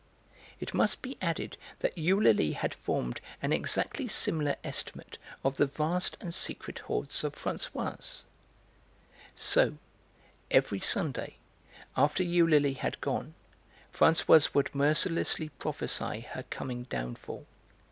It must be added that Eulalie had formed an exactly similar estimate of the vast and secret hoards of Françoise. So, every Sunday, after Eulalie had gone, Françoise would mercilessly prophesy her coming downfall.